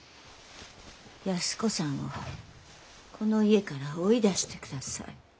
安子さんをこの家から追い出してください。